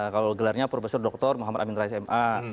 kalau gelarnya prof dr muhammad amin rais ma